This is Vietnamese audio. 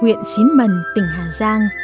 huyện xín mần tỉnh hà giang